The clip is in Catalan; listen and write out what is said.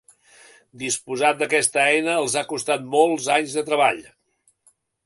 Disposar d'aquesta eina els ha costat molts anys de treball.